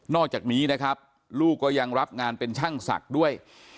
อกจากนี้นะครับลูกก็ยังรับงานเป็นช่างศักดิ์ด้วย